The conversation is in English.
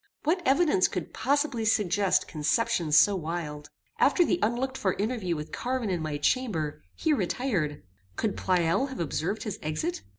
What evidence could possibly suggest conceptions so wild? After the unlooked for interview with Carwin in my chamber, he retired. Could Pleyel have observed his exit?